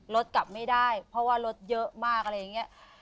กลับไม่ได้เพราะว่ารถเยอะมากอะไรอย่างนี้